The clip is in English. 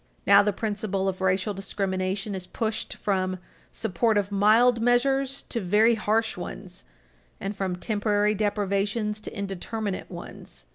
Now the principle of racial discrimination is pushed from support of mild measures to very harsh ones, and from temporary deprivations to indeterminate ones.